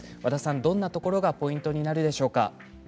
どんなところがポイントになるでしょうか。